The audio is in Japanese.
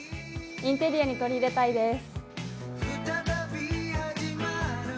インテリアに取り入れたいです。